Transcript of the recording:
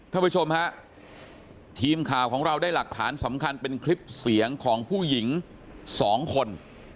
ท่านผู้ชมฮะทีมข่าวของเราได้หลักฐานสำคัญเป็นคลิปเสียงของผู้หญิงสองคน